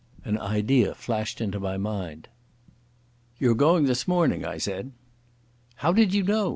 An idea flashed into my mind. "You're going this morning," I said. "How did you know?"